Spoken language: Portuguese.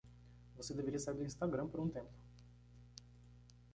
Você deveria sair do Instagram por um tempo.